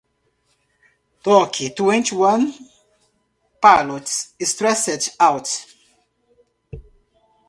Toque twenty one pilots Stressed Out.